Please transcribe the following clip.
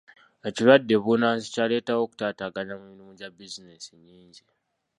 Ekirwadde bbunansi kyaleetawo okutaataaganya mu mirimu gya bizinensi nnyingi.